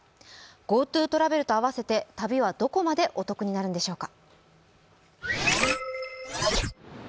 ＧｏＴｏトラベルと合わせて旅はどこまでお得になるんでしょうか。